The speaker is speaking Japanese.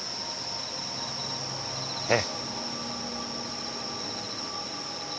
ええ。